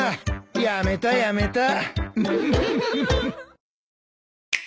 やめたやめた。